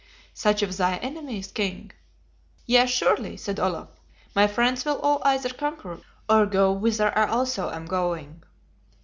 "Such of thy enemies, King?" "Yes, surely," said Olaf, "my friends will all either conquer, or go whither I also am going."